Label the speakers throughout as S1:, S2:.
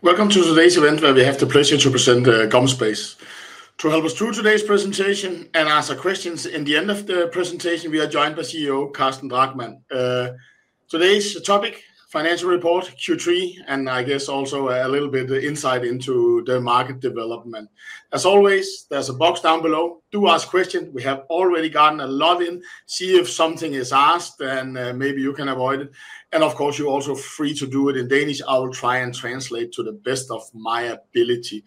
S1: Welcome to today's event, where we have the pleasure to present GomSpace. To help us through today's presentation and answer questions in the end of the presentation, we are joined by CEO Carsten Drachmann. Today's topic: Financial Report Q3, and I guess also a little bit of insight into the market development. As always, there is a box down below. Do ask questions. We have already gotten a lot in. See if something is asked, and maybe you can avoid it. Of course, you are also free to do it in Danish. I will try and translate to the best of my ability.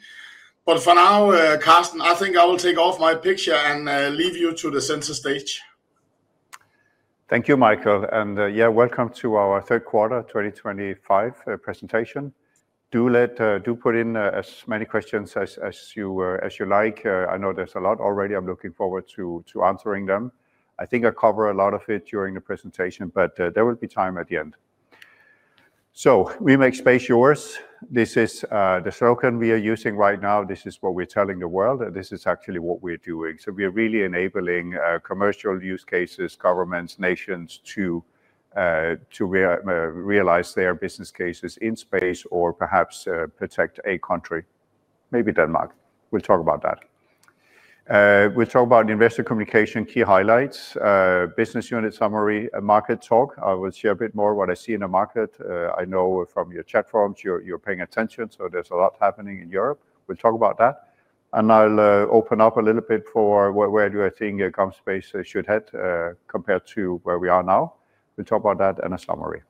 S1: For now, Carsten, I think I will take off my picture and leave you to the center stage.
S2: Thank you, Michael. Yeah, welcome to our third quarter 2025 presentation. Do put in as many questions as you like. I know there's a lot already. I'm looking forward to answering them. I think I cover a lot of it during the presentation, but there will be time at the end. We make space yours. This is the slogan we are using right now. This is what we're telling the world, and this is actually what we're doing. We are really enabling commercial use cases, governments, nations to realize their business cases in space or perhaps protect a country, maybe Denmark. We'll talk about that. We'll talk about investor communication, key highlights, business unit summary, a market talk. I will share a bit more what I see in the market. I know from your chat forums you're paying attention, so there's a lot happening in Europe. We'll talk about that. I'll open up a little bit for where do I think GomSpace should head compared to where we are now. We'll talk about that and a summary.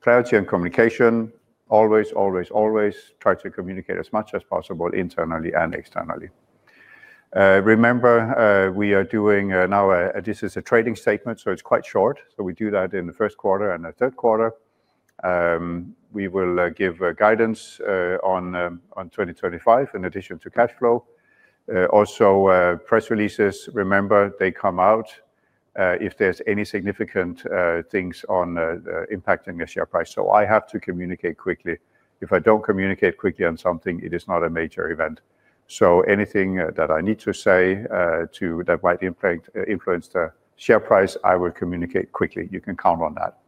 S2: Clarity and communication. Always, always, always try to communicate as much as possible internally and externally. Remember, we are doing now a—this is a trading statement, so it's quite short. We do that in the first quarter and the third quarter. We will give guidance on 2025 in addition to cash flow. Also, press releases. Remember, they come out. If there's any significant things on impacting the share price. I have to communicate quickly. If I don't communicate quickly on something, it is not a major event. Anything that I need to say that might influence the share price, I will communicate quickly. You can count on that.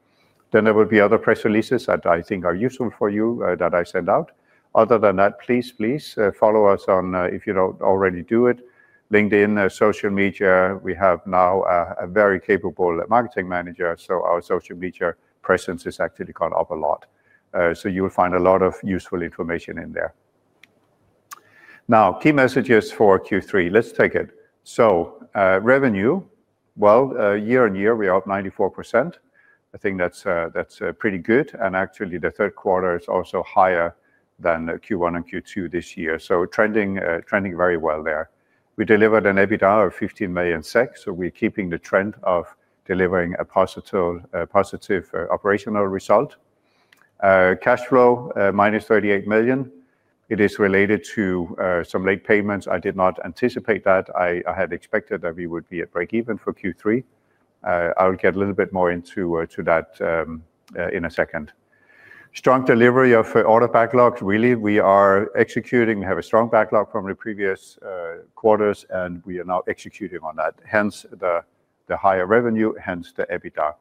S2: There will be other press releases that I think are useful for you that I send out. Other than that, please, please follow us on, if you do not already do it, LinkedIn, social media. We have now a very capable marketing manager, so our social media presence is actually gone up a lot. You will find a lot of useful information in there. Now, key messages for Q3. Let's take it. Revenue, year on year, we are up 94%. I think that's pretty good. Actually, the third quarter is also higher than Q1 and Q2 this year. Trending very well there. We delivered an EBITDA of 15 million, so we are keeping the trend of delivering a positive operational result. Cash flow, minus 38 million. It is related to some late payments. I did not anticipate that. I had expected that we would be at break-even for Q3. I'll get a little bit more into that in a second. Strong delivery of order backlog. Really, we are executing. We have a strong backlog from the previous quarters, and we are now executing on that. Hence the higher revenue, hence the EBITDA.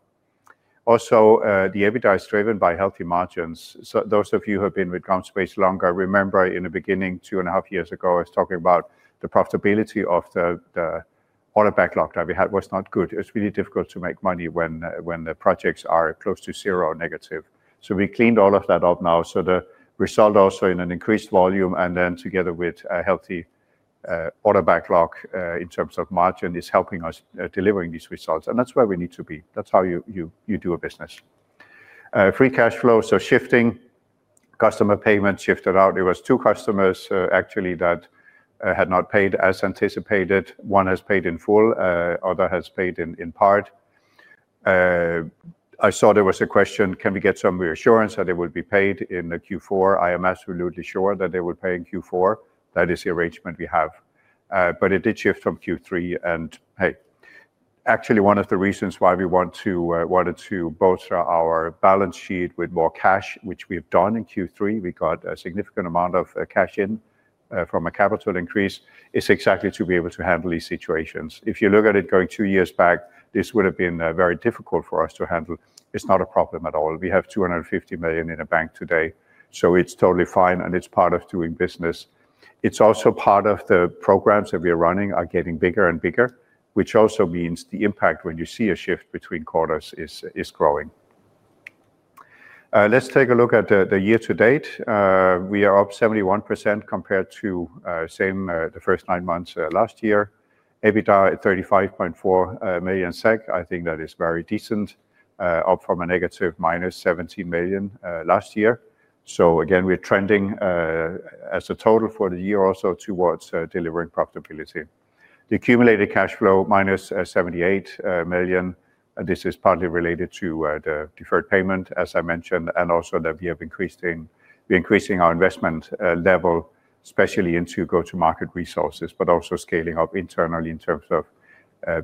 S2: Also, the EBITDA is driven by healthy margins. Those of you who have been with GomSpace longer remember in the beginning, two and a half years ago, I was talking about the profitability of the order backlog that we had was not good. It's really difficult to make money when the projects are close to zero negative. We cleaned all of that up now. The result also in an increased volume and then together with a healthy order backlog in terms of margin is helping us deliver these results. That is where we need to be. That is how you do a business. Free cash flow. Shifting customer payment shifted out. There were two customers actually that had not paid as anticipated. One has paid in full. Other has paid in part. I saw there was a question, can we get some reassurance that they will be paid in Q4? I am absolutely sure that they will pay in Q4. That is the arrangement we have. It did shift from Q3. Actually, one of the reasons why we wanted to bolster our balance sheet with more cash, which we have done in Q3, we got a significant amount of cash in from a capital increase, is exactly to be able to handle these situations. If you look at it going two years back, this would have been very difficult for us to handle. It's not a problem at all. We have 250 million in a bank today. It's totally fine, and it's part of doing business. It's also part of the programs that we are running are getting bigger and bigger, which also means the impact when you see a shift between quarters is growing. Let's take a look at the year to date. We are up 71% compared to the same the first nine months last year. EBITDA at 35.4 million SEK. I think that is very decent, up from a negative minus 17 million last year. Again, we're trending. As a total for the year also towards delivering profitability. The accumulated cash flow, minus 78 million. This is partly related to the deferred payment, as I mentioned, and also that we are increasing our investment level, especially into go-to-market resources, but also scaling up internally in terms of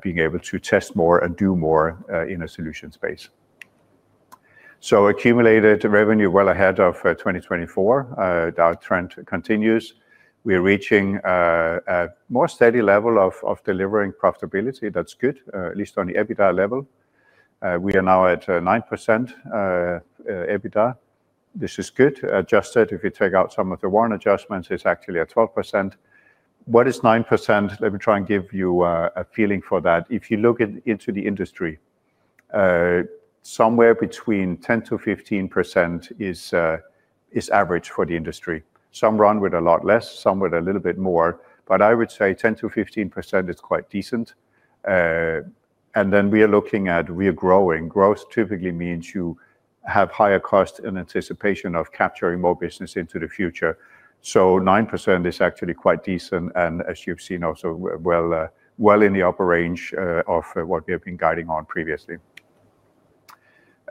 S2: being able to test more and do more in a solution space. Accumulated revenue well ahead of 2024. That trend continues. We are reaching a more steady level of delivering profitability. That is good, at least on the EBITDA level. We are now at 9% EBITDA. This is good. Adjusted, if you take out some of the warrant adjustments, it is actually at 12%. What is 9%? Let me try and give you a feeling for that. If you look into the industry, somewhere between 10%-15% is average for the industry. Some run with a lot less, some with a little bit more. I would say 10%-15% is quite decent. We are looking at we are growing. Growth typically means you have higher cost in anticipation of capturing more business into the future. 9% is actually quite decent. As you have seen also, it is in the upper range of what we have been guiding on previously.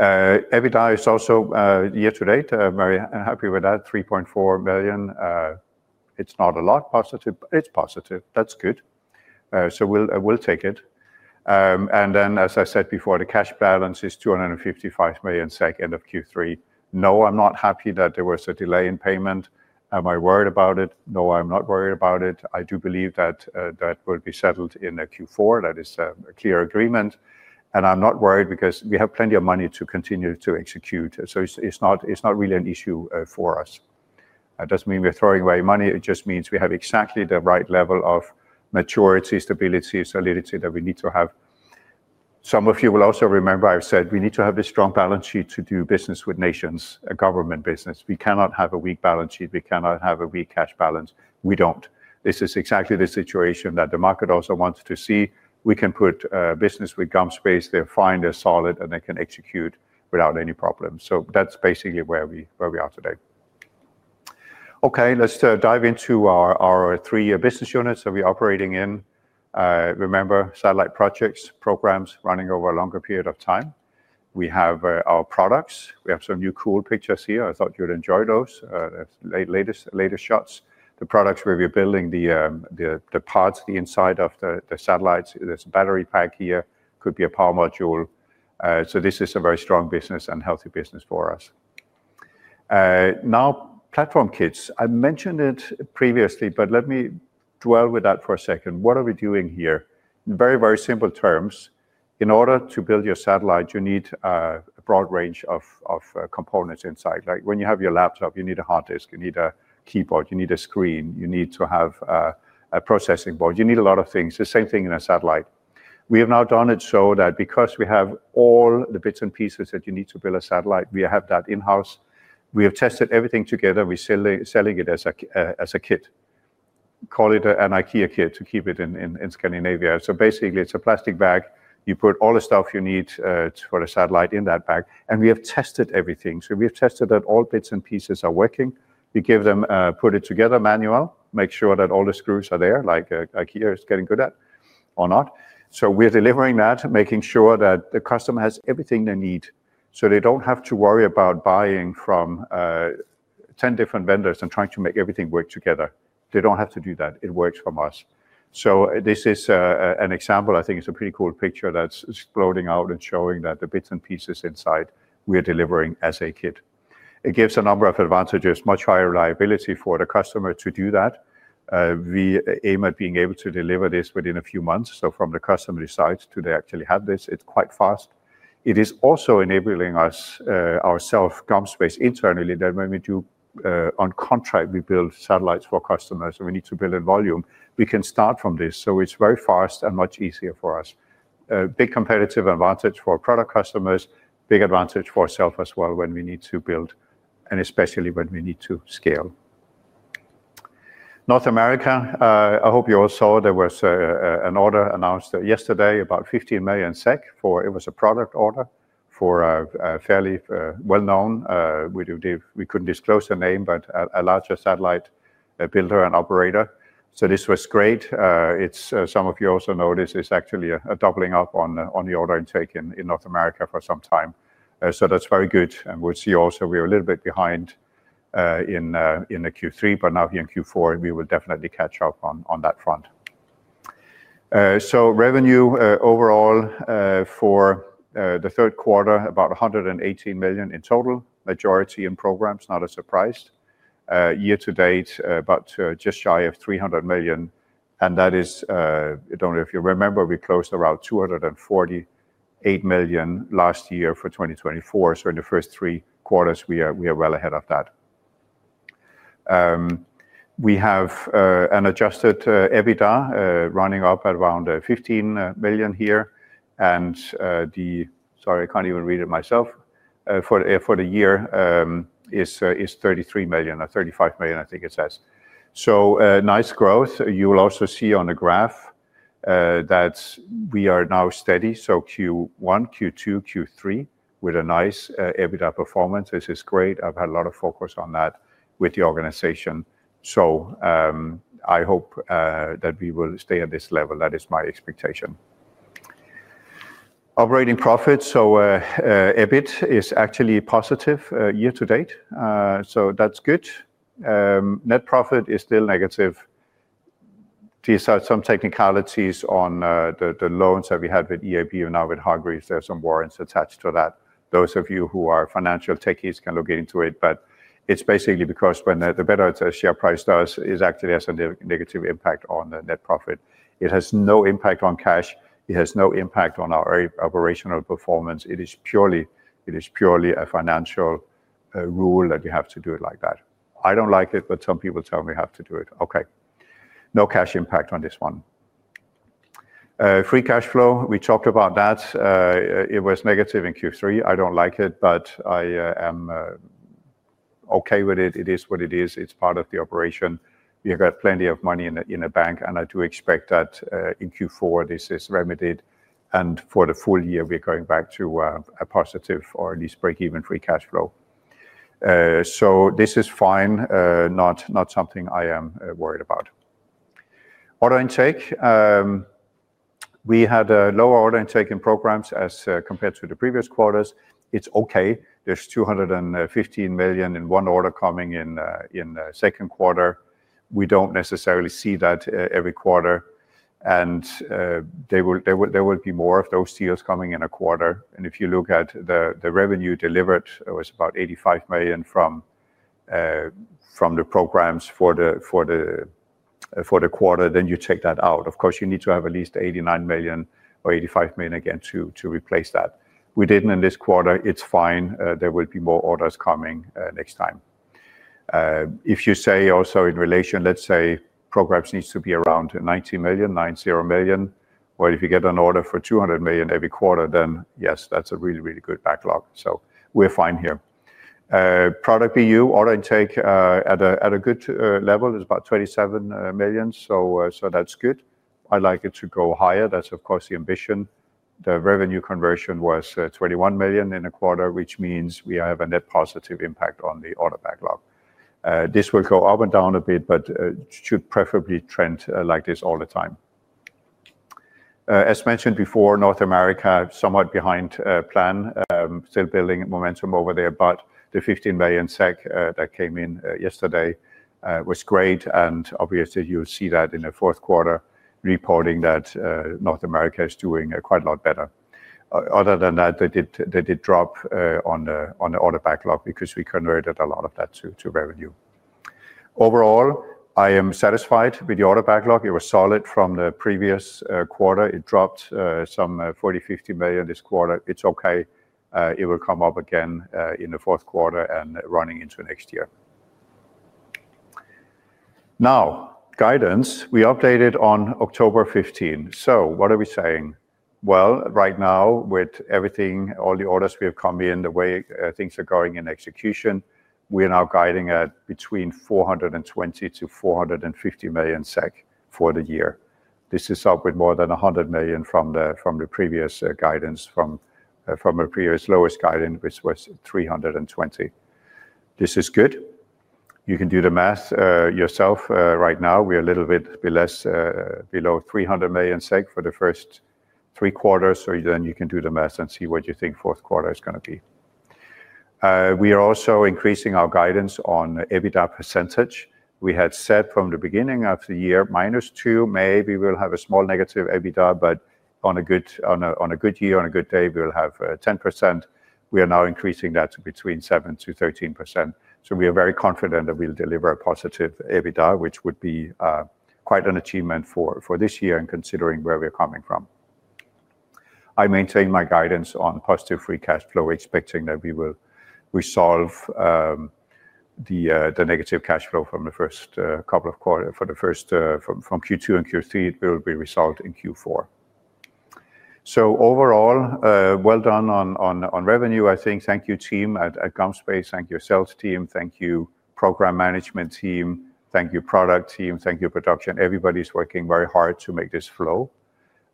S2: EBITDA is also year to date. Very happy with that, 3.4 million. It is not a lot positive, but it is positive. That is good. We will take it. As I said before, the cash balance is 255 million SEK end of Q3. No, I am not happy that there was a delay in payment. Am I worried about it? No, I am not worried about it. I do believe that will be settled in Q4. That is a clear agreement. I am not worried because we have plenty of money to continue to execute. It is not really an issue for us. It doesn't mean we're throwing away money. It just means we have exactly the right level of maturity, stability, solidity that we need to have. Some of you will also remember I've said we need to have a strong balance sheet to do business with nations, a government business. We cannot have a weak balance sheet. We cannot have a weak cash balance. We don't. This is exactly the situation that the market also wants to see. We can put business with GomSpace. They're fine, they're solid, and they can execute without any problem. That's basically where we are today. Okay, let's dive into our three-year business units that we are operating in. Remember, satellite projects, programs running over a longer period of time. We have our products. We have some new cool pictures here. I thought you would enjoy those. Latest shots. The products where we are building the parts, the inside of the satellites. There's a battery pack here. Could be a power module. This is a very strong business and healthy business for us. Now, platform kits. I mentioned it previously, but let me dwell with that for a second. What are we doing here? In very, very simple terms, in order to build your satellite, you need a broad range of components inside. Like when you have your laptop, you need a hard disk, you need a keyboard, you need a screen, you need to have a processing board. You need a lot of things. The same thing in a satellite. We have now done it so that because we have all the bits and pieces that you need to build a satellite, we have that in-house. We have tested everything together. We're selling it as a kit. Call it an IKEA kit to keep it in Scandinavia. Basically, it's a plastic bag. You put all the stuff you need for a satellite in that bag. We have tested everything. We have tested that all bits and pieces are working. We give them, put it together manually, make sure that all the screws are there, like IKEA is getting good at or not. We are delivering that, making sure that the customer has everything they need so they do not have to worry about buying from 10 different vendors and trying to make everything work together. They do not have to do that. It works from us. This is an example. I think it's a pretty cool picture that's floating out and showing that the bits and pieces inside we are delivering as a kit. It gives a number of advantages, much higher reliability for the customer to do that. We aim at being able to deliver this within a few months. From the customer's side, they actually have this, it's quite fast. It is also enabling us, ourselves, GomSpace internally, that when we do on contract, we build satellites for customers. We need to build in volume. We can start from this. It is very fast and much easier for us. Big competitive advantage for product customers, big advantage for ourselves as well when we need to build, and especially when we need to scale. North America, I hope you all saw there was an order announced yesterday about 15 million SEK. It was a product order for a fairly well-known, we could not disclose the name, but a larger satellite builder and operator. This was great. Some of you also noticed it's actually a doubling up on the order intake in North America for some time. That's very good. We'll see also, we're a little bit behind in Q3, but now here in Q4, we will definitely catch up on that front. Revenue overall for the third quarter, about 118 million in total, majority in programs, not a surprise. Year to date, about just shy of 300 million. That is, I don't know if you remember, we closed around 248 million last year for 2024. In the first three quarters, we are well ahead of that. We have an adjusted EBITDA running up at around 15 million here. Sorry, I can't even read it myself. For the year, it is 33 million or 35 million, I think it says. Nice growth. You will also see on the graph. That we are now steady. Q1, Q2, Q3 with a nice EBITDA performance. This is great. I've had a lot of focus on that with the organization. I hope that we will stay at this level. That is my expectation. Operating profit. EBIT is actually positive year to date. That is good. Net profit is still negative. These are some technicalities on the loans that we had with EIB and now with Hargreaves. There are some warrants attached to that. Those of you who are financial techies can look into it. It is basically because the better a share price does, it actually has a negative impact on the net profit. It has no impact on cash. It has no impact on our operational performance. It is purely a financial rule that you have to do it like that. I don't like it, but some people tell me I have to do it. Okay. No cash impact on this one. Free cash flow. We talked about that. It was negative in Q3. I don't like it, but I am okay with it. It is what it is. It's part of the operation. You've got plenty of money in a bank. I do expect that in Q4, this is remedied. For the full year, we're going back to a positive or at least break-even free cash flow. This is fine, not something I am worried about. Order intake. We had a lower order intake in programs as compared to the previous quarters. It's okay. There's 215 million in one order coming in the second quarter. We don't necessarily see that every quarter. There will be more of those deals coming in a quarter. If you look at the revenue delivered, it was about 85 million from the programs for the quarter. Then you take that out. Of course, you need to have at least 89 million or 85 million again to replace that. We did not in this quarter. It is fine. There will be more orders coming next time. If you say also in relation, let's say programs need to be around 90 million, 90 million, or if you get an order for 200 million every quarter, then yes, that is a really, really good backlog. We are fine here. Product BU, order intake at a good level is about 27 million. That is good. I would like it to go higher. That is of course the ambition. The revenue conversion was 21 million in a quarter, which means we have a net positive impact on the order backlog. This will go up and down a bit, but should preferably trend like this all the time. As mentioned before, North America somewhat behind plan. Still building momentum over there, but the 15 million SEK that came in yesterday was great. Obviously, you'll see that in the fourth quarter reporting that North America is doing quite a lot better. Other than that, they did drop on the order backlog because we converted a lot of that to revenue. Overall, I am satisfied with the order backlog. It was solid from the previous quarter. It dropped some 40-50 million this quarter. It's okay. It will come up again in the fourth quarter and running into next year. Now, guidance. We updated on October 15. So what are we saying? Right now, with everything, all the orders we have come in, the way things are going in execution, we are now guiding at between 420 million-450 million SEK for the year. This is up with more than 100 million from the previous guidance, from the previous lowest guidance, which was 320 million. This is good. You can do the math yourself right now. We are a little bit below 300 million SEK for the first three quarters. You can do the math and see what you think fourth quarter is going to be. We are also increasing our guidance on EBITDA %. We had said from the beginning of the year, minus 2%, maybe we'll have a small negative EBITDA, but on a good year, on a good day, we'll have 10%. We are now increasing that to between 7%-13%. We are very confident that we'll deliver a positive EBITDA, which would be quite an achievement for this year and considering where we're coming from. I maintain my guidance on positive free cash flow, expecting that we will resolve the negative cash flow from the first couple of quarters. For the first, from Q2 and Q3, it will be resolved in Q4. Overall, well done on revenue, I think. Thank you, team at GomSpace. Thank you, sales team. Thank you, program management team. Thank you, product team. Thank you, production. Everybody's working very hard to make this flow.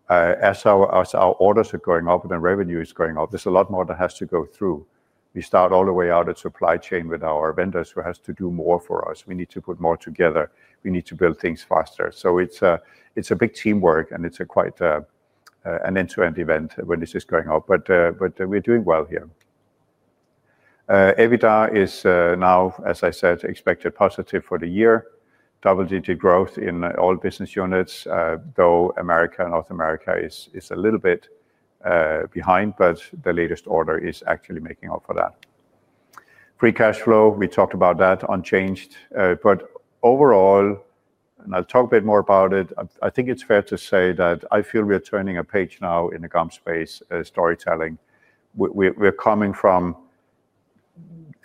S2: As our orders are going up and the revenue is going up, there's a lot more that has to go through. We start all the way out at supply chain with our vendors who have to do more for us. We need to put more together. We need to build things faster. It is a big teamwork and it is quite an end-to-end event when this is going up. We are doing well here. EBITDA is now, as I said, expected positive for the year. Double-digit growth in all business units, though America and North America is a little bit behind, but the latest order is actually making up for that. Free cash flow, we talked about that unchanged. Overall, I will talk a bit more about it. I think it is fair to say that I feel we are turning a page now in the GomSpace storytelling. We are coming from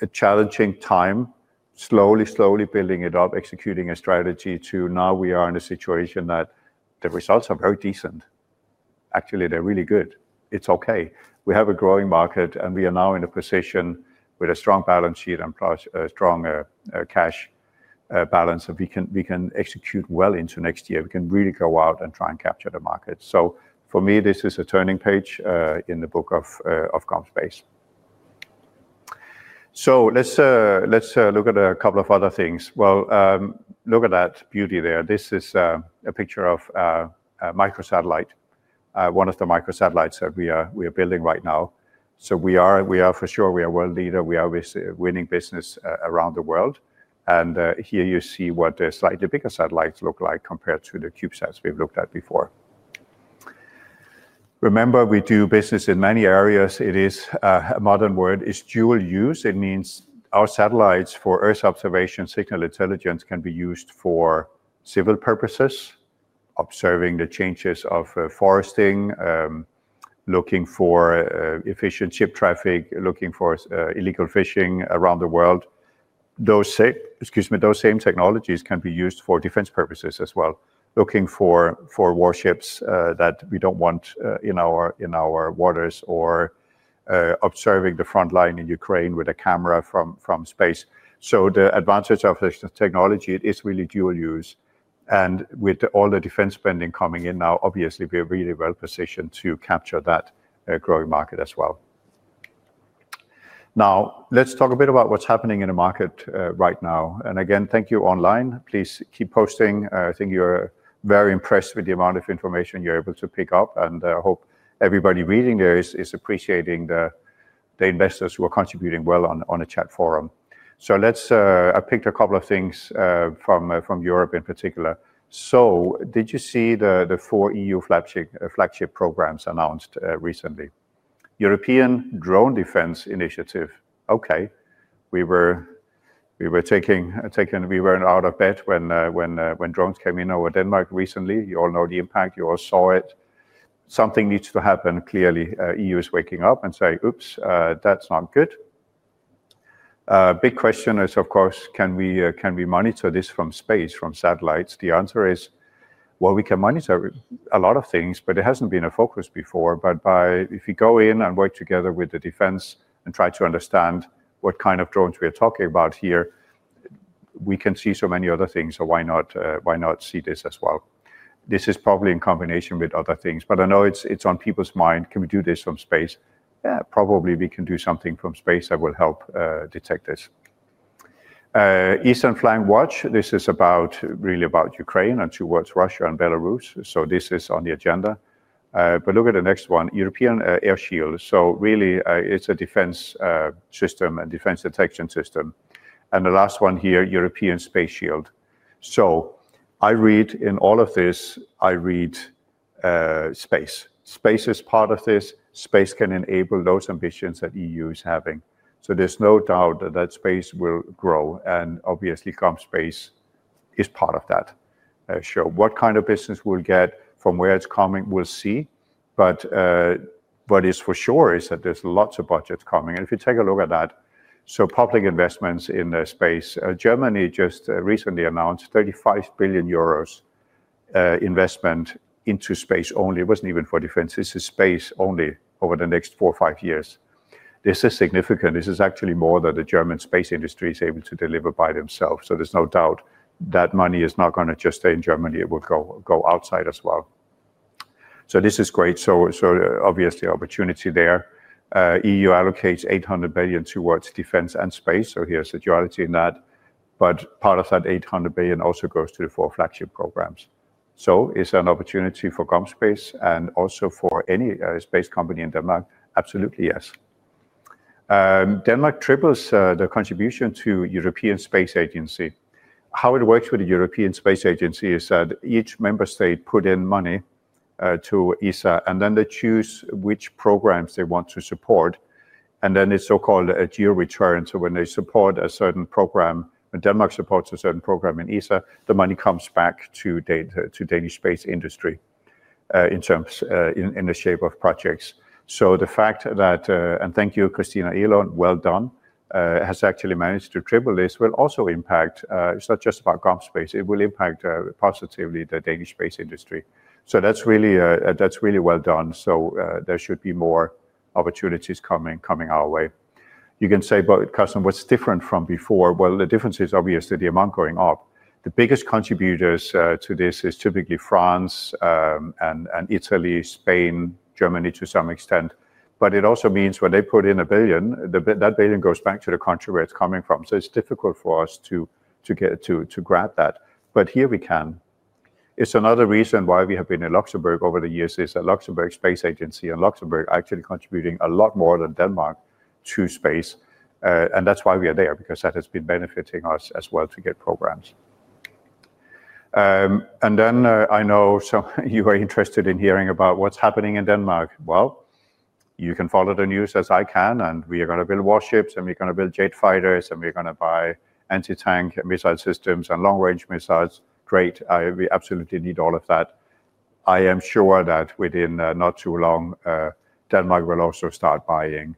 S2: a challenging time, slowly, slowly building it up, executing a strategy to now we are in a situation that the results are very decent. Actually, they are really good. It is okay. We have a growing market and we are now in a position with a strong balance sheet and strong cash balance that we can execute well into next year. We can really go out and try and capture the market. For me, this is a turning page in the book of GomSpace. Let's look at a couple of other things. Look at that beauty there. This is a picture of a microsatellite, one of the microsatellites that we are building right now. For sure, we are world leader. We are winning business around the world. Here you see what the slightly bigger satellites look like compared to the CubeSats we have looked at before. Remember, we do business in many areas. It is a modern word. It is dual use. It means our satellites for Earth observation, signal intelligence, can be used for civil purposes. Observing the changes of foresting. Looking for efficient ship traffic, looking for illegal fishing around the world. Those same technologies can be used for defense purposes as well. Looking for warships that we do not want in our waters or observing the front line in Ukraine with a camera from space. The advantage of this technology is it is really dual use. With all the defense spending coming in now, obviously, we are really well positioned to capture that growing market as well. Now, let's talk a bit about what is happening in the market right now. Again, thank you online. Please keep posting. I think you are very impressed with the amount of information you are able to pick up. I hope everybody reading there is appreciating the investors who are contributing well on the chat forum. I picked a couple of things from Europe in particular. Did you see the four EU flagship programs announced recently? European Drone Defense Initiative. Okay. We were taking. We were not out of bed when drones came in over Denmark recently. You all know the impact. You all saw it. Something needs to happen. Clearly, the EU is waking up and saying, oops, that's not good. Big question is, of course, can we monitor this from space, from satellites? The answer is, we can monitor a lot of things, but it has not been a focus before. If we go in and work together with the defense and try to understand what kind of drones we are talking about here, we can see so many other things. Why not see this as well? This is probably in combination with other things. I know it is on people's mind. Can we do this from space? Yeah, probably we can do something from space that will help detect this. Eastern Flank Watch. This is really about Ukraine and towards Russia and Belarus. This is on the agenda. Look at the next one, European Air Shield. It is a defense system and defense detection system. The last one here, European Space Shield. I read in all of this, I read space. Space is part of this. Space can enable those ambitions that the EU is having. There is no doubt that space will grow. Obviously, GomSpace is part of that. What kind of business we'll get, from where it's coming, we'll see. What is for sure is that there are lots of budgets coming. If you take a look at that, public investments in the space, Germany just recently announced 35 billion euros investment into space only. It was not even for defense. This is space only over the next four-five years. This is significant. This is actually more than the German space industry is able to deliver by themselves. There is no doubt that money is not going to just stay in Germany. It will go outside as well. This is great. Obviously, opportunity there. The EU allocates 800 million towards defense and space. Here is the duality in that. Part of that 800 million also goes to the four flagship programs. Is there an opportunity for GomSpace and also for any space company in Denmark? Absolutely, yes. Denmark triples the contribution to the European Space Agency. How it works with the European Space Agency is that each member state puts in money to ESA, and then they choose which programs they want to support. Then it is so-called a dual return. When they support a certain program, when Denmark supports a certain program in ESA, the money comes back to Danish space industry in terms in the shape of projects. The fact that, and thank you, Christina Eilund, well done, has actually managed to triple this, will also impact. It's not just about GomSpace. It will impact positively the Danish space industry. That's really well done. There should be more opportunities coming our way. You can say, but Carsten, what's different from before? The difference is obvious to the amount going up. The biggest contributors to this are typically France, Italy, Spain, Germany to some extent. It also means when they put in a billion, that billion goes back to the country where it's coming from. It's difficult for us to grab that. Here we can. It's another reason why we have been in Luxembourg over the years is that Luxembourg Space Agency and Luxembourg are actually contributing a lot more than Denmark to space. That's why we are there, because that has been benefiting us as well to get programs. I know you are interested in hearing about what's happening in Denmark. You can follow the news as I can, and we are going to build warships, and we're going to build jet fighters, and we're going to buy anti-tank missile systems and long-range missiles. Great. We absolutely need all of that. I am sure that within not too long, Denmark will also start buying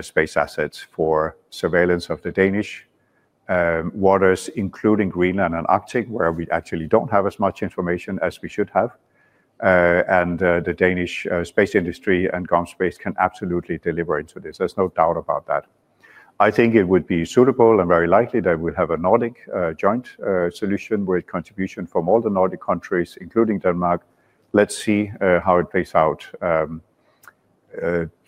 S2: space assets for surveillance of the Danish waters, including Greenland and Arctic, where we actually don't have as much information as we should have. The Danish space industry and GomSpace can absolutely deliver into this. There's no doubt about that. I think it would be suitable and very likely that we'll have a Nordic joint solution with contribution from all the Nordic countries, including Denmark. Let's see how it plays out.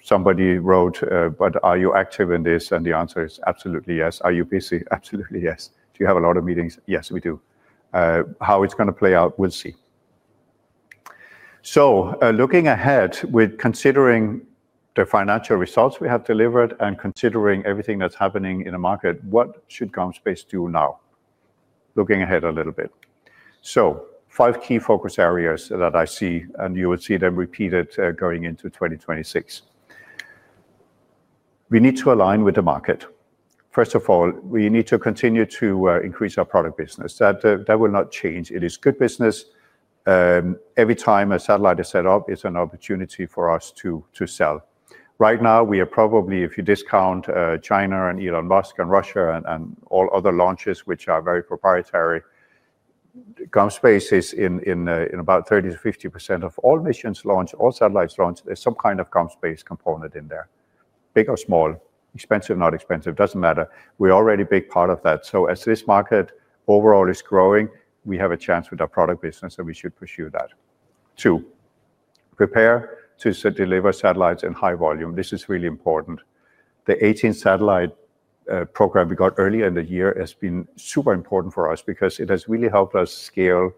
S2: Somebody wrote, but are you active in this? And the answer is absolutely yes. Are you busy? Absolutely, yes. Do you have a lot of meetings? Yes, we do. How it's going to play out, we'll see. Looking ahead with considering the financial results we have delivered and considering everything that's happening in the market, what should GomSpace do now? Looking ahead a little bit. Five key focus areas that I see, and you will see them repeated going into 2026. We need to align with the market. First of all, we need to continue to increase our product business. That will not change. It is good business. Every time a satellite is set up, it's an opportunity for us to sell. Right now, we are probably, if you discount China and Elon Musk and Russia and all other launches, which are very proprietary, GomSpace is in about 30-50% of all missions launched, all satellites launched. There's some kind of GomSpace component in there. Big or small, expensive, not expensive, doesn't matter. We're already a big part of that. As this market overall is growing, we have a chance with our product business, and we should pursue that. Two, prepare to deliver satellites in high volume. This is really important. The 18-satellite program we got earlier in the year has been super important for us because it has really helped us scale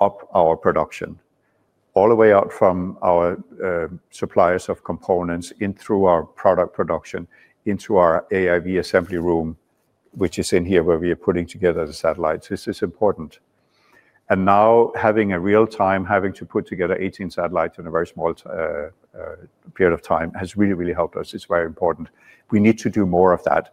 S2: up our production. All the way out from our suppliers of components in through our product production into our AIV assembly room, which is in here where we are putting together the satellites. This is important. Now having a real time, having to put together 18 satellites in a very small period of time has really, really helped us. It's very important. We need to do more of that.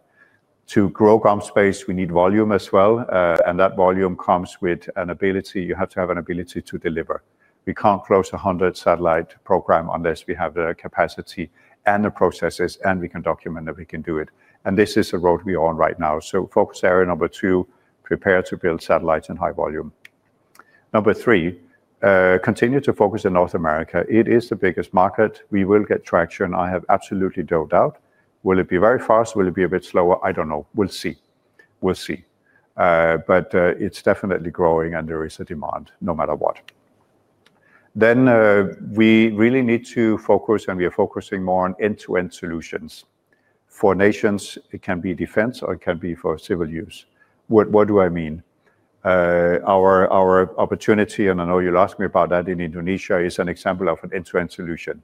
S2: To grow GomSpace, we need volume as well. That volume comes with an ability. You have to have an ability to deliver. We can't close 100 satellite programs unless we have the capacity and the processes, and we can document that we can do it. This is the road we are on right now. Focus area number two, prepare to build satellites in high volume. Number three. Continue to focus in North America. It is the biggest market. We will get traction. I have absolutely no doubt. Will it be very fast? Will it be a bit slower? I do not know. We will see. We will see. It is definitely growing, and there is a demand no matter what. We really need to focus, and we are focusing more on end-to-end solutions. For nations, it can be defense or it can be for civil use. What do I mean? Our opportunity, and I know you will ask me about that in Indonesia, is an example of an end-to-end solution.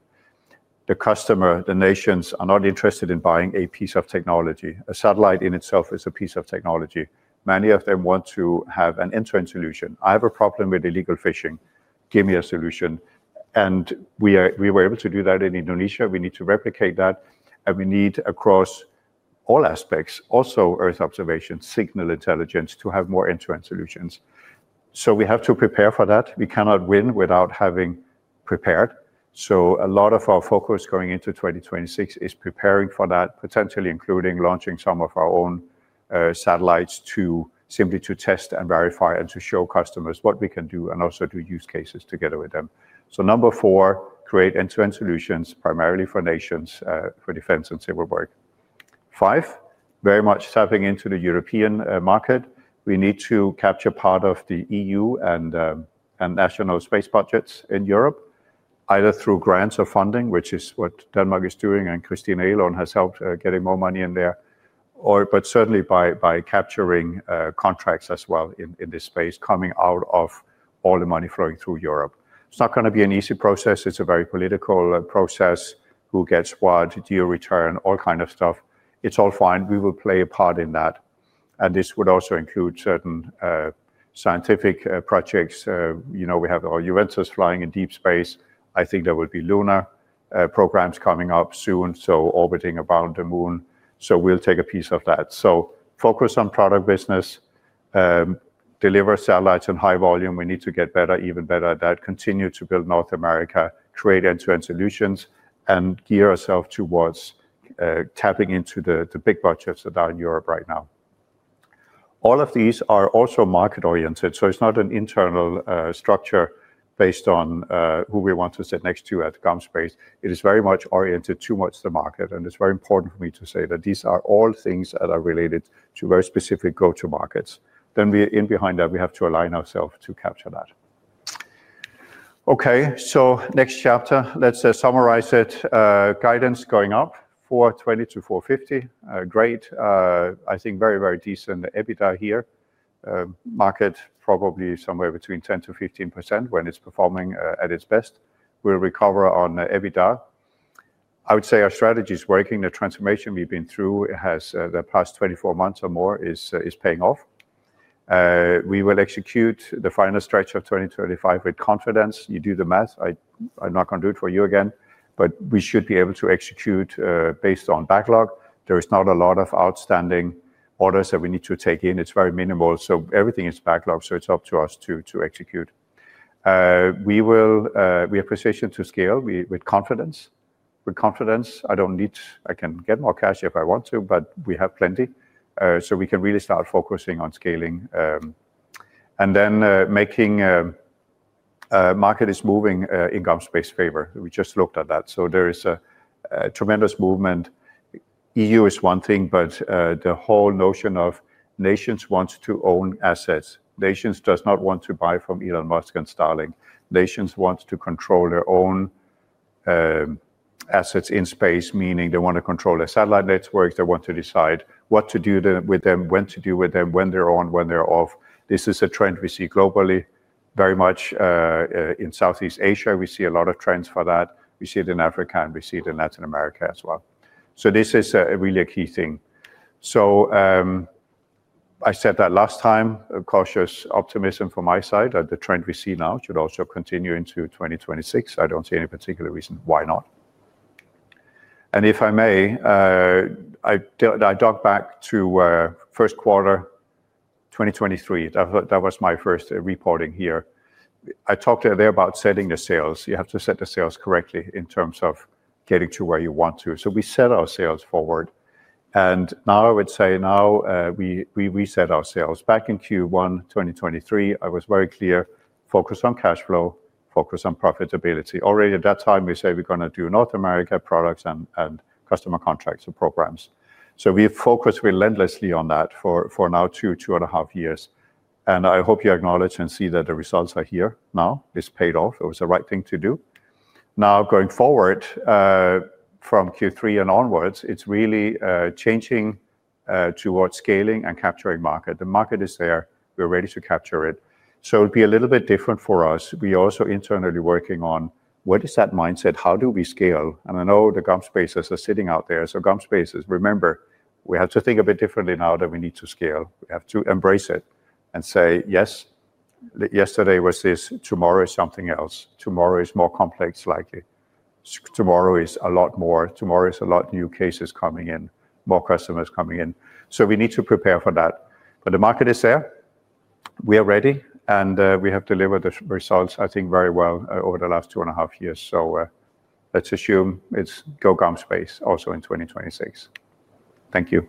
S2: The customer, the nations are not interested in buying a piece of technology. A satellite in itself is a piece of technology. Many of them want to have an end-to-end solution. I have a problem with illegal fishing. Give me a solution. We were able to do that in Indonesia. We need to replicate that. We need across all aspects, also Earth observation, signal intelligence to have more end-to-end solutions. We have to prepare for that. We cannot win without having prepared. A lot of our focus going into 2026 is preparing for that, potentially including launching some of our own satellites to simply test and verify and to show customers what we can do and also do use cases together with them. Number four, create end-to-end solutions primarily for nations, for defense and civil work. Five, very much tapping into the European market. We need to capture part of the EU and national space budgets in Europe, either through grants or funding, which is what Denmark is doing, and Christina Eilund has helped getting more money in there, but certainly by capturing contracts as well in this space, coming out of all the money flowing through Europe. It's not going to be an easy process. It's a very political process. Who gets what, geo-return, all kind of stuff. It's all fine. We will play a part in that. This would also include certain scientific projects. We have our Uranus flying in deep space. I think there will be lunar programs coming up soon, orbiting around the moon. We'll take a piece of that. Focus on product business. Deliver satellites in high volume. We need to get better, even better at that. Continue to build North America, create end-to-end solutions, and gear ourselves towards tapping into the big budgets that are in Europe right now. All of these are also market-oriented. It's not an internal structure based on who we want to sit next to at GomSpace. It is very much oriented towards the market. It is very important for me to say that these are all things that are related to very specific go-to markets. Then in behind that, we have to align ourselves to capture that. Okay, next chapter, let's summarize it. Guidance going up for 20-450. Great. I think very, very decent EBITDA here. Market probably somewhere between 10-15% when it is performing at its best. We will recover on EBITDA. I would say our strategy is working. The transformation we have been through the past 24 months or more is paying off. We will execute the final stretch of 2025 with confidence. You do the math. I am not going to do it for you again. We should be able to execute based on backlog. There are not a lot of outstanding orders that we need to take in. It is very minimal. Everything is backlog. It is up to us to execute. We have precision to scale with confidence. With confidence, I do not need to. I can get more cash if I want to, but we have plenty. We can really start focusing on scaling. The market is moving in GomSpace's favor. We just looked at that. There is a tremendous movement. EU is one thing, but the whole notion of nations wanting to own assets. Nations do not want to buy from Elon Musk and Starlink. Nations want to control their own assets in space, meaning they want to control their satellite networks. They want to decide what to do with them, when to do with them, when they are on, when they are off. This is a trend we see globally. Very much. In Southeast Asia, we see a lot of trends for that. We see it in Africa, and we see it in Latin America as well. This is really a key thing. I said that last time. Cautious optimism from my side. The trend we see now should also continue into 2026. I do not see any particular reason why not. If I may, I dock back to first quarter 2023. That was my first reporting here. I talked earlier about setting the sails. You have to set the sails correctly in terms of getting to where you want to. We set our sails forward. I would say now, we reset our sails. Back in Q1 2023, I was very clear. Focus on cash flow. Focus on profitability. Already at that time, we said we are going to do North America products and customer contracts and programs. We have focused relentlessly on that for now two and a half years. I hope you acknowledge and see that the results are here now. It's paid off. It was the right thing to do. Now going forward. From Q3 and onwards, it's really changing. Towards scaling and capturing market. The market is there. We're ready to capture it. It'll be a little bit different for us. We are also internally working on what is that mindset? How do we scale? I know the GomSpaces are sitting out there. GomSpaces, remember, we have to think a bit differently now that we need to scale. We have to embrace it and say, yes. Yesterday was this. Tomorrow is something else. Tomorrow is more complex, likely. Tomorrow is a lot more. Tomorrow is a lot new cases coming in, more customers coming in. We need to prepare for that. The market is there. We are ready. We have delivered the results, I think, very well over the last two and a half years. Let's assume it is go GomSpace also in 2026. Thank you.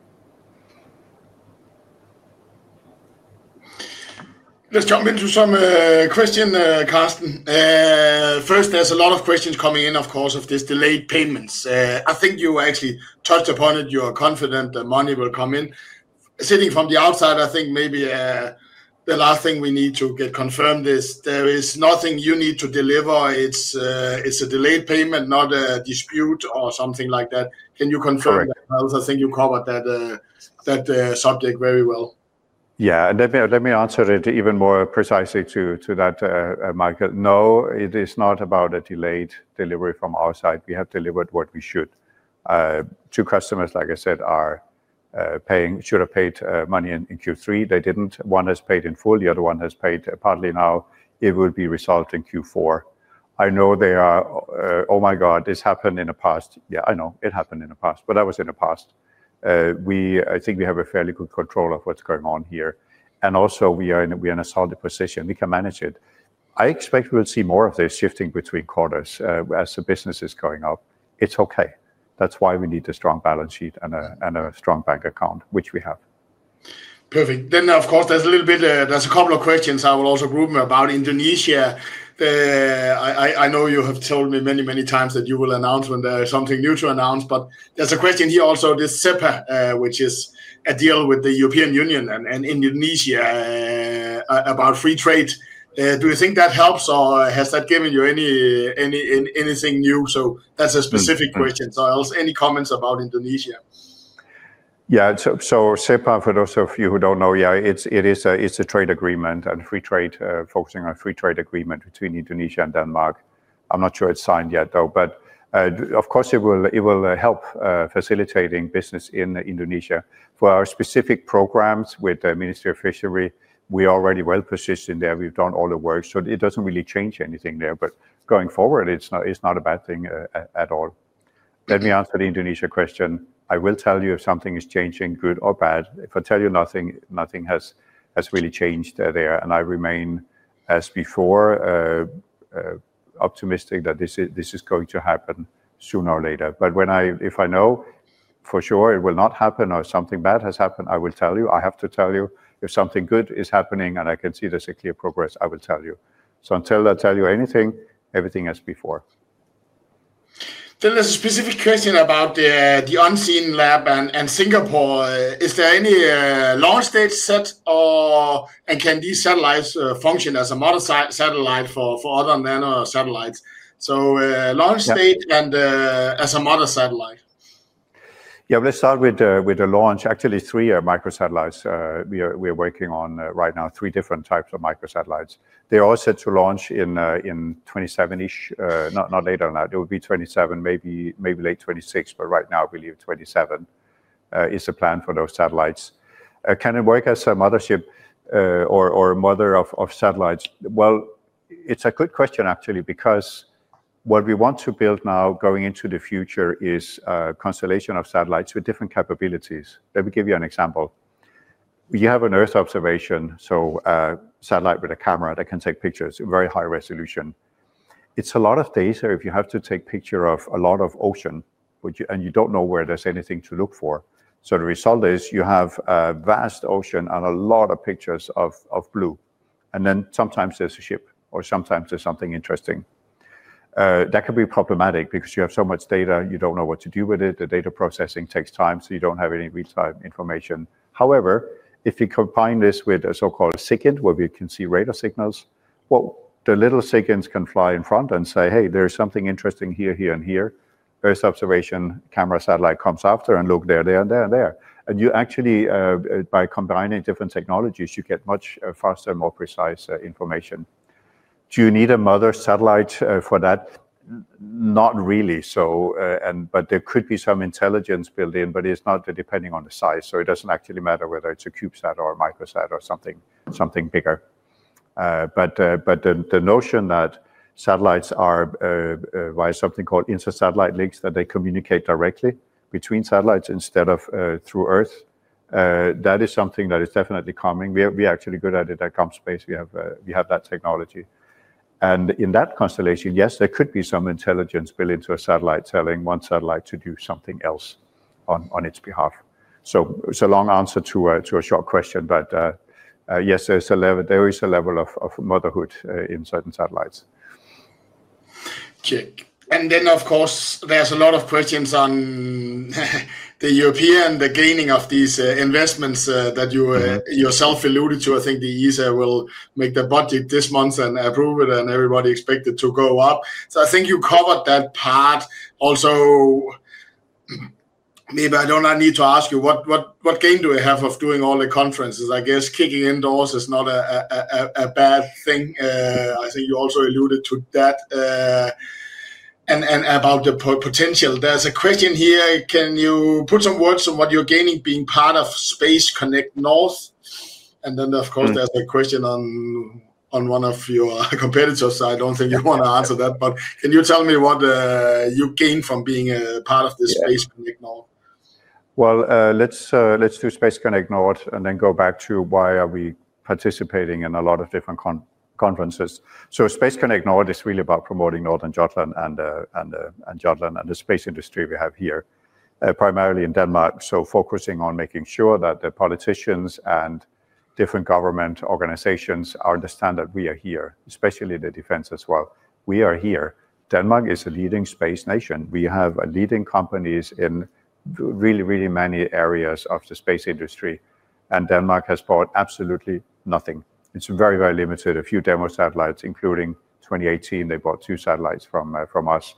S1: Let's jump into some questions, Carsten. First, there are a lot of questions coming in, of course, about this delayed payments. I think you actually touched upon it. You are confident that money will come in. Sitting from the outside, I think maybe the last thing we need to get confirmed is there is nothing you need to deliver. It is a delayed payment, not a dispute or something like that. Can you confirm that? I think you covered that subject very well.
S2: Let me answer it even more precisely to that market. No, it is not about a delayed delivery from our side. We have delivered what we should. Two customers, like I said, are paying, should have paid money in Q3. They did not. One has paid in full. The other one has paid partly now. It will be resulting in Q4. I know they are, oh my God, this happened in the past. Yeah, I know it happened in the past, but that was in the past. I think we have a fairly good control of what is going on here. Also, we are in a solid position. We can manage it. I expect we will see more of this shifting between quarters as the business is going up. It is okay. That is why we need a strong balance sheet and a strong bank account, which we have.
S1: Perfect. Of course, there is a little bit, there are a couple of questions I will also group about Indonesia. I know you have told me many, many times that you will announce when there is something new to announce, but there is a question here also, this SEPA, which is a deal with the European Union and Indonesia about free trade. Do you think that helps or has that given you anything new? That is a specific question. Any comments about Indonesia? Yeah, SEPA, for those of you who do not know, is a trade agreement and free trade, focusing on a free trade agreement between Indonesia and Denmark. I am not sure it is signed yet, though, but of course, it will help facilitating business in Indonesia. For our specific programs with the Ministry of Fishery, we are already well positioned there. We have done all the work. It does not really change anything there, but going forward, it is not a bad thing at all. Let me answer the Indonesia question. I will tell you if something is changing, good or bad. If I tell you nothing, nothing has really changed there. I remain, as before, optimistic that this is going to happen sooner or later. If I know for sure it will not happen or something bad has happened, I will tell you. I have to tell you. If something good is happening and I can see there is clear progress, I will tell you. Until I tell you anything, everything is as before. There is a specific question about Unseen Labs and Singapore. Is there any launch date set? Can these satellites function as a mother satellite for other nanosatellites? Launch date and as a mother satellite.
S2: Let's start with the launch. Actually, three microsatellites we are working on right now, three different types of microsatellites. They are all set to launch in 2027-ish, not later than that. It will be 2027, maybe late 2026, but right now, I believe 2027 is the plan for those satellites. Can it work as a mothership or a mother of satellites? It is a good question, actually, because what we want to build now going into the future is a constellation of satellites with different capabilities. Let me give you an example. You have an Earth observation, so a satellite with a camera that can take pictures, very high resolution. It is a lot of data if you have to take a picture of a lot of ocean and you do not know where there is anything to look for. The result is you have a vast ocean and a lot of pictures of blue. Then sometimes there is a ship or sometimes there is something interesting. That can be problematic because you have so much data, you don't know what to do with it. The data processing takes time, so you don't have any real-time information. However, if you combine this with a so-called SIGINT, where we can see radar signals, the little SIGINTs can fly in front and say, "Hey, there's something interesting here, here, and here." Earth observation camera satellite comes after and look there, there, and there, and there. You actually, by combining different technologies, you get much faster, more precise information.
S1: Do you need a mother satellite for that?
S2: Not really, but there could be some intelligence built in, but it's not depending on the size. It doesn't actually matter whether it's a CubeSat or a Microsat or something bigger. The notion that satellites are. Via something called inter-satellite links, that they communicate directly between satellites instead of through Earth. That is something that is definitely coming. We are actually good at it at GomSpace. We have that technology. In that constellation, yes, there could be some intelligence built into a satellite telling one satellite to do something else on its behalf. It is a long answer to a short question, but yes, there is a level of motherhood in certain satellites.
S1: Check. There are a lot of questions on the European gaining of these investments that you yourself alluded to. I think the ESA will make the budget this month and approve it, and everybody expects it to go up. I think you covered that part. Also, maybe I do not need to ask you what gain do we have of doing all the conferences? I guess kicking in doors is not a bad thing. I think you also alluded to that. About the potential, there is a question here. Can you put some words on what you are gaining being part of Space Connect North? There is a question on one of your competitors. I do not think you want to answer that, but can you tell me what you gain from being a part of this Space Connect North?
S2: Space Connect North is really about promoting Northern Jutland and Jutland and the space industry we have here, primarily in Denmark. Focusing on making sure that the politicians and different government organizations understand that we are here, especially the defense as well. We are here. Denmark is a leading space nation. We have leading companies in really, really many areas of the space industry. Denmark has bought absolutely nothing. It is very, very limited. A few demo satellites, including 2018, they bought two satellites from us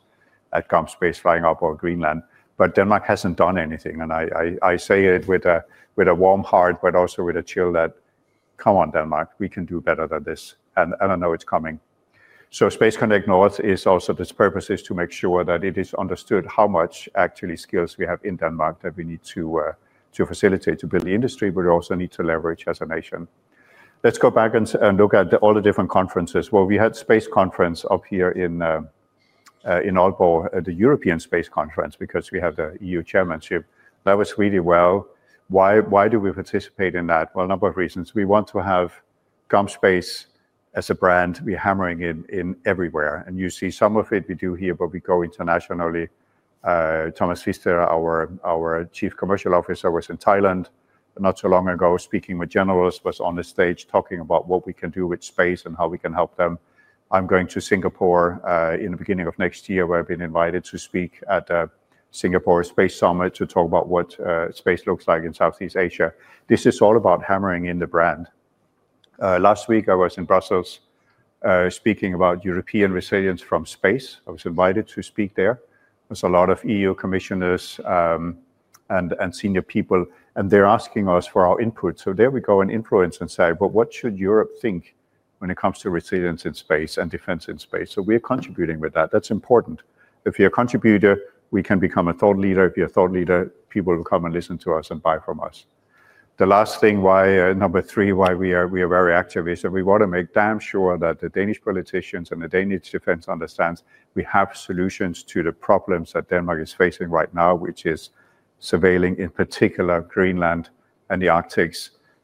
S2: at GomSpace flying up over Greenland. Denmark has not done anything. I say it with a warm heart, but also with a chill that, come on, Denmark, we can do better than this. I know it is coming. Space Connect North is also this purpose is to make sure that it is understood how much actually skills we have in Denmark that we need to facilitate to build the industry, but we also need to leverage as a nation. Let's go back and look at all the different conferences. We had a space conference up here in Aalborg, the European Space Conference, because we have the EU chairmanship. That was really well. Why do we participate in that? A number of reasons. We want to have GomSpace as a brand. We're hammering in everywhere. You see some of it we do here, but we go internationally. Thomas Læssøe, our Chief Commercial Officer, was in Thailand not so long ago, speaking with generals, was on the stage talking about what we can do with space and how we can help them. I'm going to Singapore in the beginning of next year. I've been invited to speak at the Singapore Space Summit to talk about what space looks like in Southeast Asia. This is all about hammering in the brand. Last week, I was in Brussels, speaking about European resilience from space. I was invited to speak there. There are a lot of EU commissioners and senior people, and they're asking us for our input. There we go and influence and say, but what should Europe think when it comes to resilience in space and defense in space? We're contributing with that. That's important. If you're a contributor, we can become a thought leader. If you're a thought leader, people will come and listen to us and buy from us. The last thing, number three, why we are very active is that we want to make damn sure that the Danish politicians and the Danish defense understands we have solutions to the problems that Denmark is facing right now, which is surveilling, in particular, Greenland and the Arctic,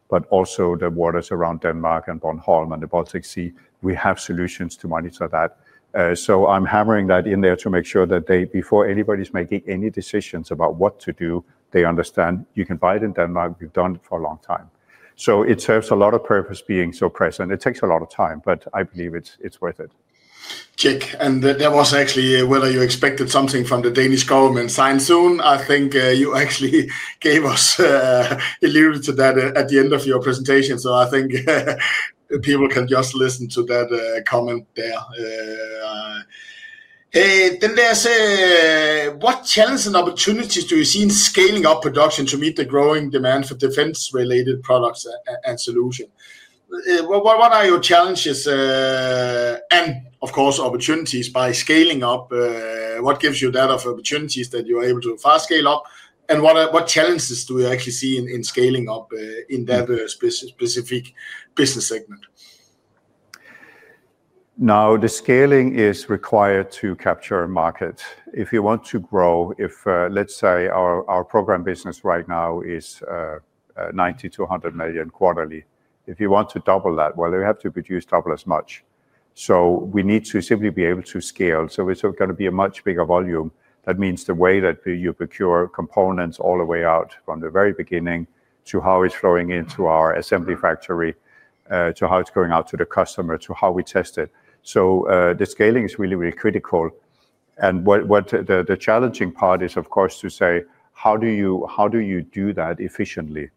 S2: but also the waters around Denmark and Bornholm and the Baltic Sea. We have solutions to monitor that. I'm hammering that in there to make sure that before anybody's making any decisions about what to do, they understand you can buy it in Denmark. We've done it for a long time. It serves a lot of purpose being so present. It takes a lot of time, but I believe it's worth it.
S1: Check. That was actually whether you expected something from the Danish government signed soon. I think you actually gave us, alluded to that at the end of your presentation. I think people can just listen to that comment there. Hey, then there's what challenges and opportunities do you see in scaling up production to meet the growing demand for defense-related products and solutions?
S2: if you want to double that, you have to produce double as much. We need to simply be able to scale. It's going to be a much bigger volume. That means the way that you procure components all the way out from the very beginning to how it's flowing into our assembly factory, to how it's going out to the customer, to how we test it. The scaling is really, really critical. The challenging part is, of course, to say, how do you do that efficiently?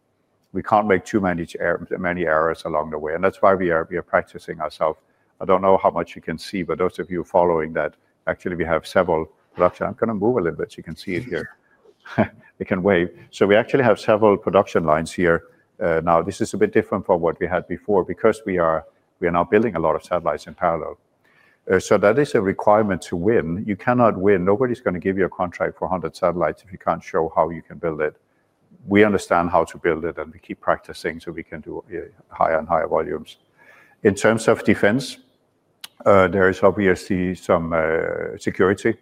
S2: We can't make too many errors along the way. That is why we are practicing ourselves. I don't know how much you can see, but those of you following that, actually, we have several productions. I'm going to move a little bit so you can see it here. It can wave. We actually have several production lines here. This is a bit different from what we had before because we are now building a lot of satellites in parallel. That is a requirement to win. You cannot win. Nobody's going to give you a contract for 100 satellites if you can't show how you can build it. We understand how to build it and keep practicing so we can do higher and higher volumes. In terms of defense, there is obviously some security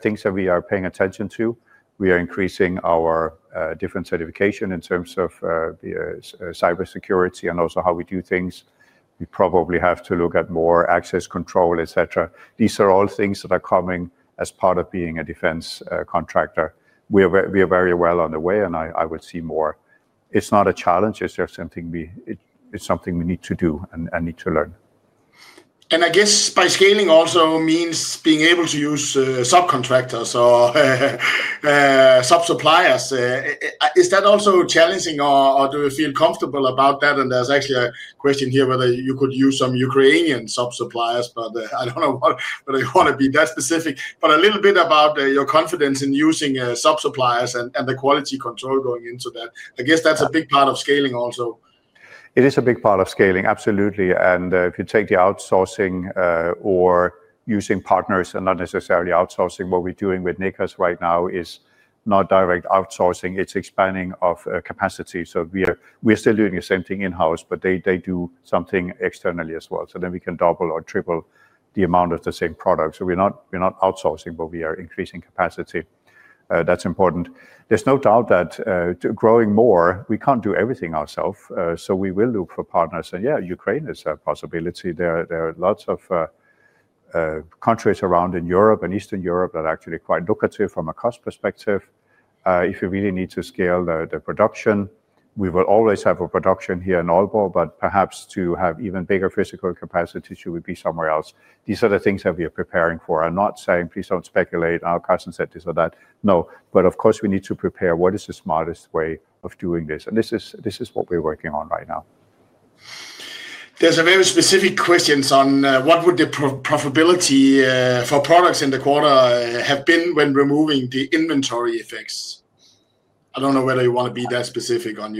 S2: things that we are paying attention to. We are increasing our different certification in terms of cybersecurity and also how we do things. We probably have to look at more access control, et cetera. These are all things that are coming as part of being a defense contractor. We are very well on the way, and I would see more. It's not a challenge. It's something we need to do and need to learn.
S1: I guess by scaling also means being able to use subcontractors or sub-suppliers. Is that also challenging, or do you feel comfortable about that? There is actually a question here whether you could use some Ukrainian sub-suppliers, but I do not know if they want to be that specific. A little bit about your confidence in using sub-suppliers and the quality control going into that. I guess that is a big part of scaling also.
S2: It is a big part of scaling, absolutely. If you take the outsourcing or using partners and not necessarily outsourcing, what we are doing with NanoRacks right now is not direct outsourcing. It is expanding of capacity. We are still doing the same thing in-house, but they do something externally as well. We can double or triple the amount of the same product. We are not outsourcing, but we are increasing capacity. That is important. There is no doubt that growing more, we cannot do everything ourselves. We will look for partners. Ukraine is a possibility. There are lots of countries around in Europe and Eastern Europe that are actually quite lucrative from a cost perspective. If you really need to scale the production, we will always have a production here in Aalborg, but perhaps to have even bigger physical capacity, it would be somewhere else. These are the things that we are preparing for. I'm not saying, please don't speculate. Our cousin said this or that. No, but of course, we need to prepare what is the smartest way of doing this. This is what we're working on right now.
S1: There's a very specific question on what would the profitability for products in the quarter have been when removing the inventory effects. I don't know whether you want to be that specific on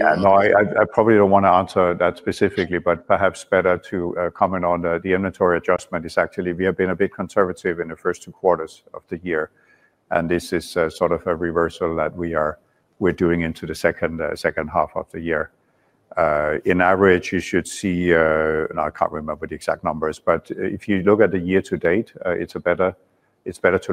S1: your.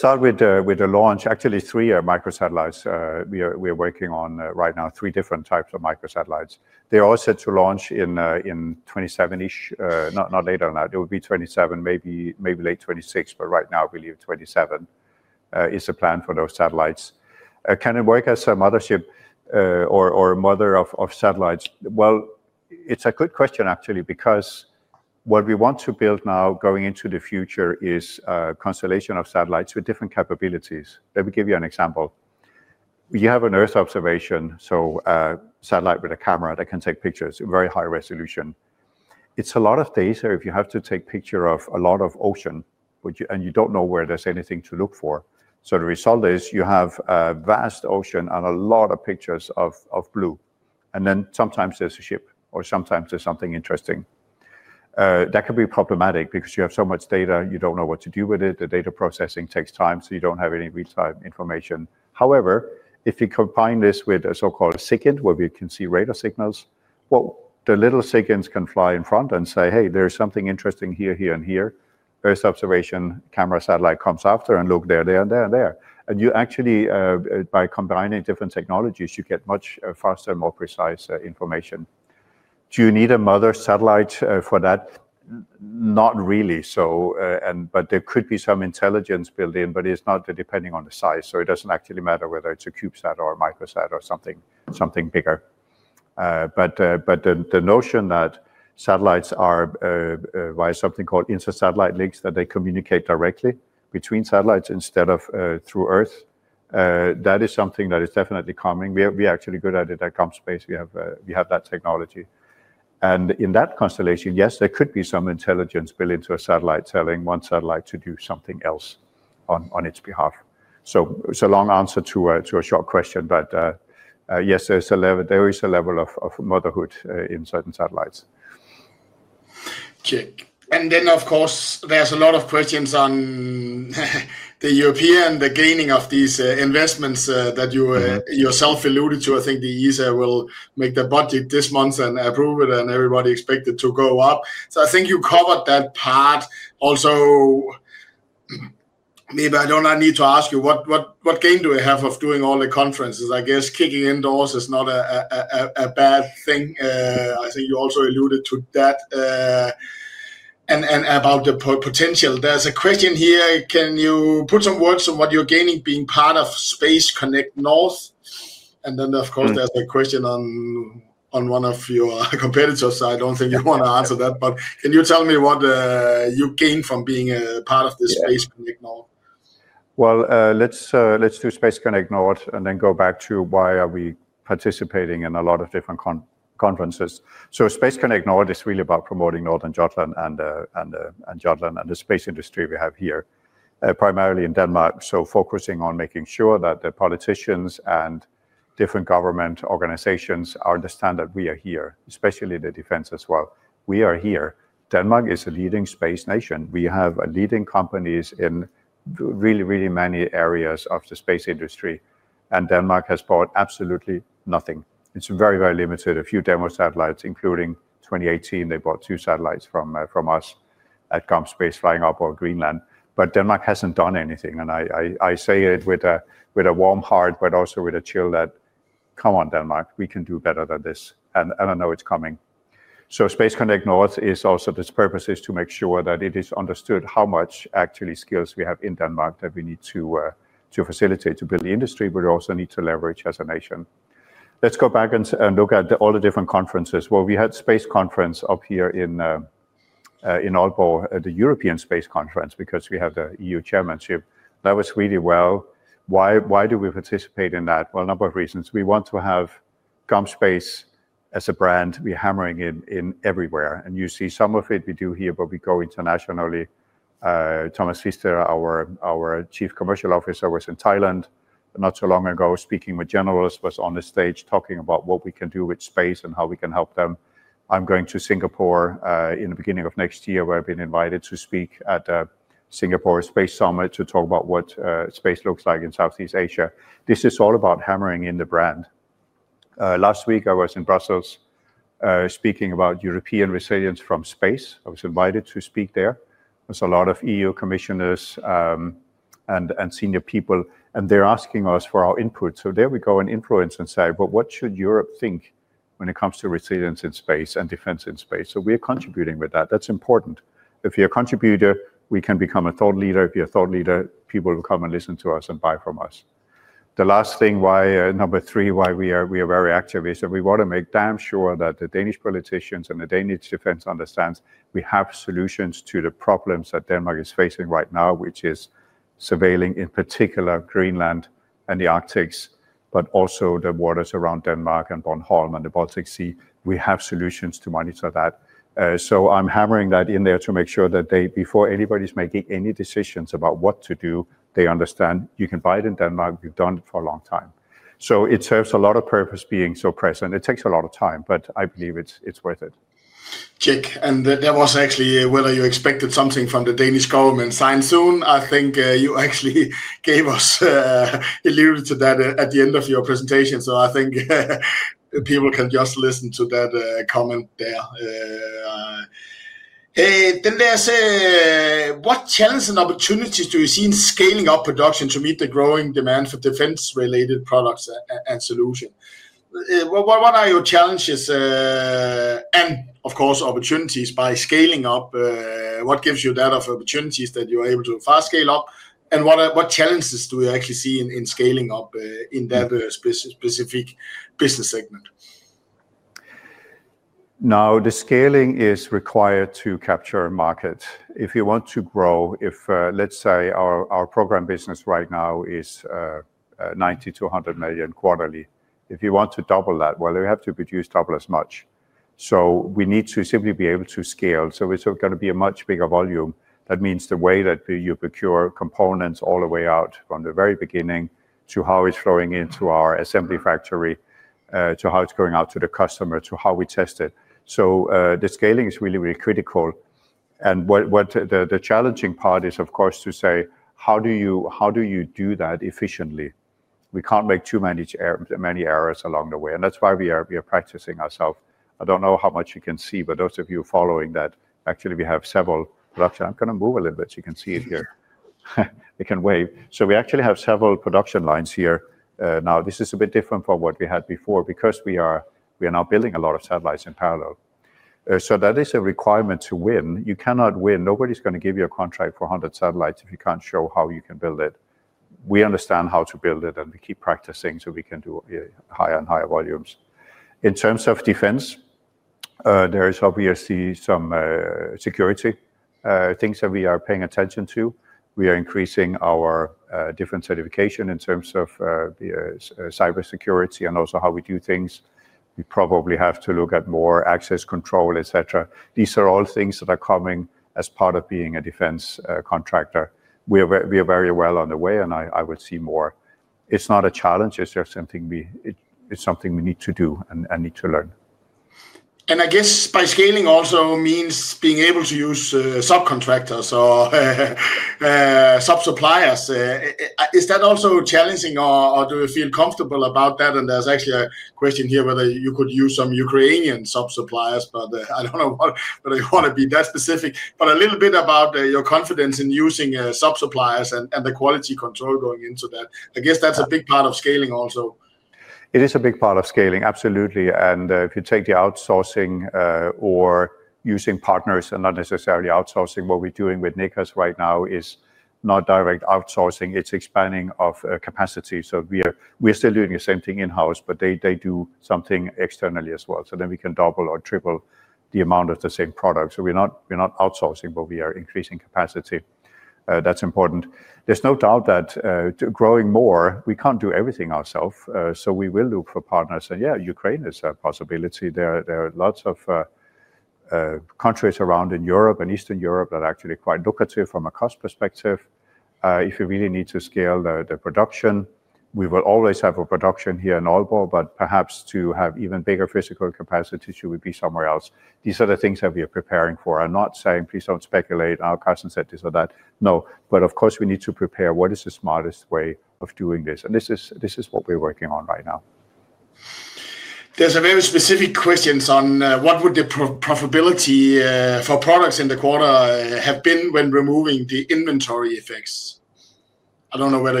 S2: No, I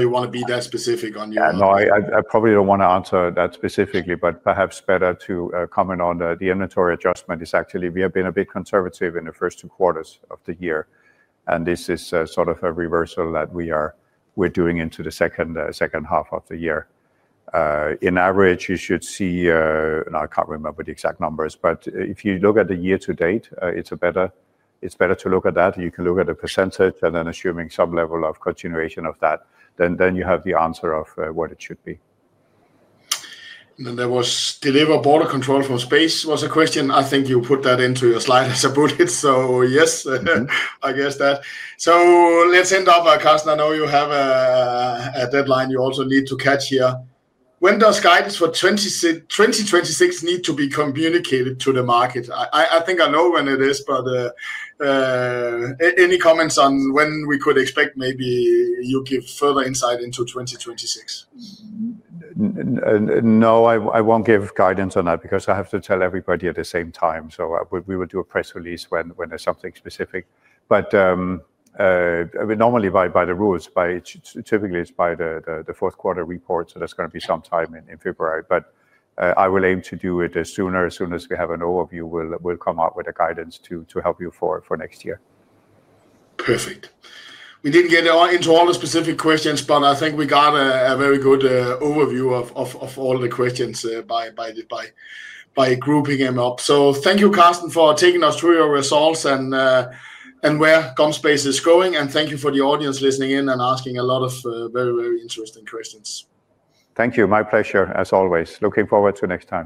S2: probably don't want to answer that specifically, but perhaps better to comment on the inventory adjustment. It's actually we have been a bit conservative in the first two quarters of the year. This is sort of a reversal that we're doing into the second half of the year. In average, you should see—I can't remember the exact numbers—but if you look at the year to date, it's better to look at that. You can look at the percentage and then assuming some level of continuation of that, you have the answer of what it should be.
S1: There was deliver border control from space was a question. I think you put that into your slide as a bullet. Yes, I guess that. Let's end off, Carsten. I know you have a deadline you also need to catch here. When does guidance for 2026 need to be communicated to the market? I think I know when it is, but. Any comments on when we could expect maybe you give further insight into 2026?
S2: No, I won't give guidance on that because I have to tell everybody at the same time. We will do a press release when there's something specific. Normally by the rules, typically it's by the fourth quarter report. That is going to be sometime in February. I will aim to do it as soon as we have an overview, we'll come up with a guidance to help you for next year.
S1: Perfect. We didn't get into all the specific questions, but I think we got a very good overview of all the questions by grouping them up. Thank you, Carsten, for taking us through your results and where GomSpace is going. Thank you for the audience listening in and asking a lot of very, very interesting questions.
S2: Thank you. My pleasure, as always. Looking forward to next time.